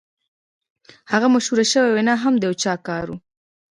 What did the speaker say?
هغه مشهوره شوې وینا هم د یو چا کار و